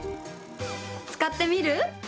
使ってみる？